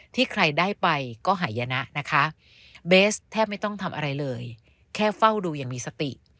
ที่ใครได้ไปก็หายนะนะคะเบสแทบไม่ต้องทำอะไรเลยแค่เฝ้าดูอย่างมีสติ